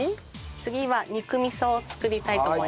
次は肉味噌を作りたいと思います。